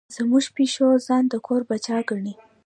زموږ پیشو ځان د کور پاچا ګڼي.